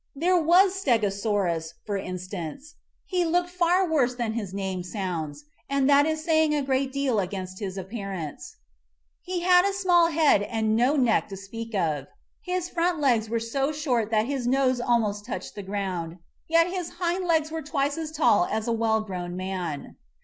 There was Stegosaurus, for in 26 MIGHTY ANIMALS stance. He looked far worse than his name sounds, and that is saying a great deal against his appearance. He had a small head and no neck to speak of; his front legs were so short that his nose almost touched the ground, yet his hind legs were twice as tall as a well grown man.